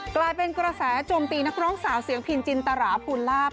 กลายเป็นกระแสโจมตีนักร้องสาวเสียงพินจินตราภูลาภ